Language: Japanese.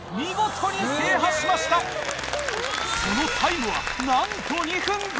そのタイムはなんと。